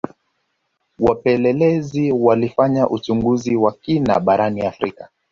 wapelelezi walifanya uchunguzi wa kina barani afrika